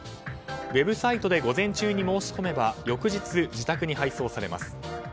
ウェブサイトで午前中に申し込めば翌日、自宅に配送されます。